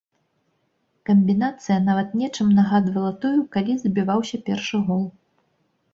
Камбінацыя нават нечым нагадвала тую, калі забіваўся першы гол.